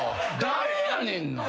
誰やねんな。